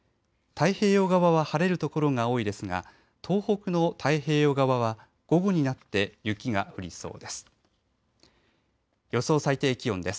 太平洋側は晴れる所が多いですが東北の太平洋側は午後になって雪が降りそうです。